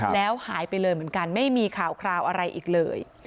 แล้วหายไปเลยเหมือนกันไม่มีข่าวคราวอะไรอีกเลย